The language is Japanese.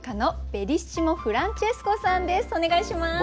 お願いします！